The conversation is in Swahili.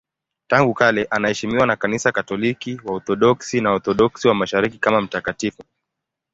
Tangu kale anaheshimiwa na Kanisa Katoliki, Waorthodoksi na Waorthodoksi wa Mashariki kama mtakatifu.